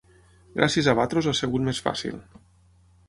Gràcies a vosaltres ha sigut més fàcil.